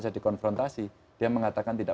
bisa dikonfrontasi dia mengatakan tidak